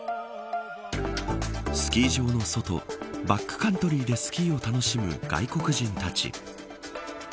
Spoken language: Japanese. スキー場の外バックカントリーでスキーを楽しむ外国人たち。